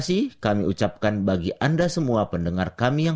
sampai jumpa di video selanjutnya